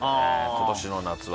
今年の夏は。